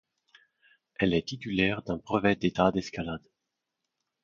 Elle est titulaire d'un brevet d'État d'escalade.